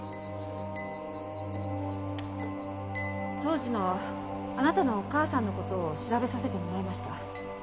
当時のあなたのお母さんの事を調べさせてもらいました。